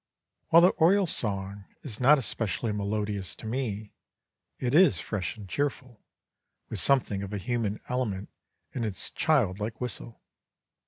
While the Oriole's song is not especially melodious to me, it is fresh and cheerful, with something of a human element in its child like whistle.